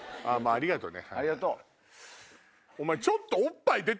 ありがとう。